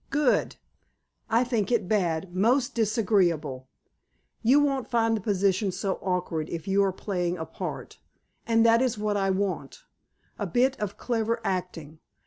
"Good!" "I think it bad, most disagreeable." "You won't find the position so awkward if you are playing a part. And that is what I want—a bit of clever acting.